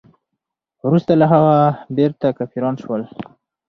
وروسته له هغه بیرته کافران شول.